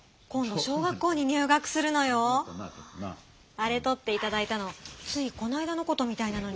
あれとっていただいたのついこないだのことみたいなのにね。